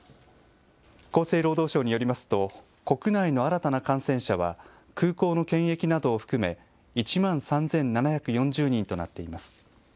厚生労働省によりますと、国内の新たな感染者は、空港の検疫などを含め１万３７４０人となっています。